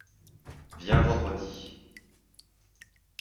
Viens vendredi.